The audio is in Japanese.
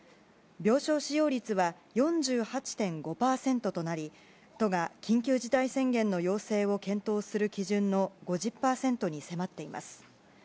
病床使用率は４８．５％となり都が緊急事態宣言の要請を検討する基準の５０％に迫っています。